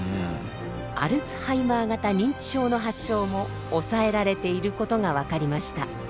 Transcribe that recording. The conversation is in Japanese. アルツハイマー型認知症の発症も抑えられていることが分かりました。